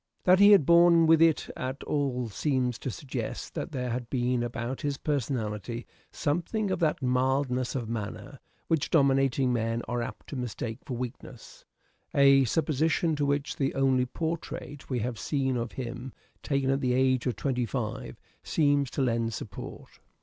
That he had borne with it at all seems to suggest that there had been about his personality something of that mildness of manner which dominating men are apt to mistake for weakness, a supposition to which the only portrait we have seen of him, taken at the age of twenty five, seems to lend support